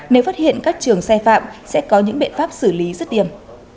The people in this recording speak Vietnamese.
nếu phát hiện các trường xe phạm sẽ có những biện pháp xử lý sức điểm